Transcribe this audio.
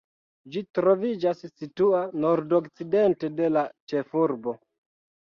Ĝi troviĝas situa nordokcidente de la ĉefurbo.